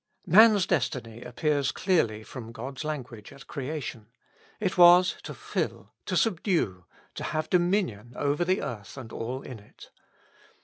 Man's destiny appears clearly from God's language at creation. It was to fill, to subdue, to have domin ion over the earth and all in it.